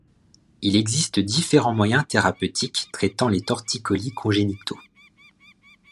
Il existe différents moyens thérapeutiques traitant les torticolis congénitaux.